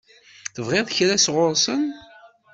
Tebɣiḍ kra sɣur-sen?